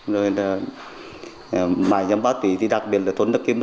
rồi bài giám báo tùy thì đặc biệt là thôn nước kiếm